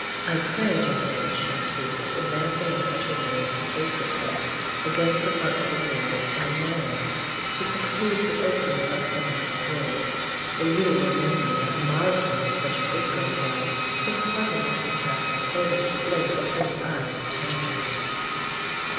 "I pray, gentlemen," she entreated, advancing in such a way as to place herself against the front of the bureau in a manner to preclude the opening of any more drawers, "that you will remember that a modest woman such as this girl was, would hardly like to have her clothing displayed before the eyes of strangers."